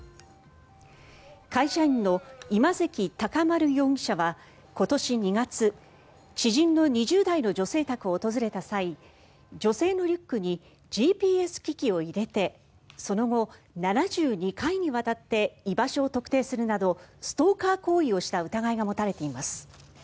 会社員の今関尊丸容疑者は今年２月知人の２０代の女性宅を訪れた際女性のリュックにＧＰＳ機器を入れてその後、７２回にわたって居場所を特定するなどストーカー行為をした疑いが持たれています。